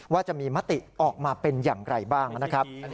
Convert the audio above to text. ว่าจะมีมติออกมาเป็นอย่างไรบ้างนะครับ